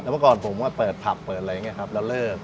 แต่เมื่อก่อนผมก็เปิดผับเปิดอะไรอย่างนี้ครับแล้วเลิก